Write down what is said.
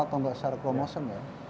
atau enggak secara kromosim ya